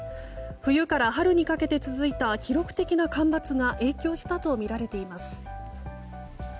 冬から春にかけて続いた記録的な干ばつが影響したとみられています。